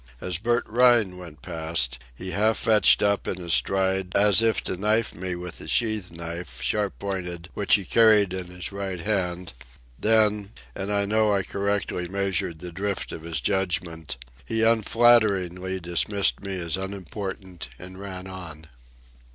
As Bert Rhine went past, he half fetched up in his stride, as if to knife me with the sheath knife, sharp pointed, which he carried in his right hand; then, and I know I correctly measured the drift of his judgment, he unflatteringly dismissed me as unimportant and ran on.